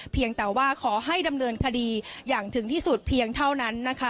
เพียงแต่ว่าขอให้ดำเนินคดีอย่างถึงที่สุดเพียงเท่านั้นนะคะ